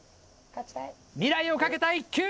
未来をかけた１球！